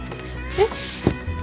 えっ？